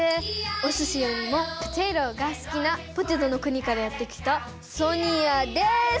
おすしよりもポテトがすきなポテトの国からやって来たソニアです。